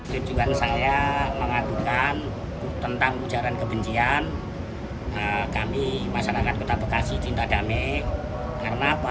tujuan saya mengadukan tentang ujaran kebencian kami masyarakat kota bekasi cinta damai karena apa